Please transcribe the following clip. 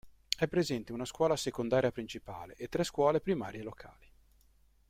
È presente una scuola secondaria principale e tre scuole primarie locali.